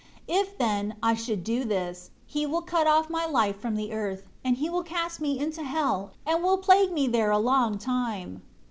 If, then, I should do this, He will cut off my life from the earth, and He will cast me into hell, and will plague me there a long time.